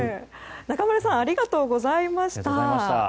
中丸さんありがとうございました。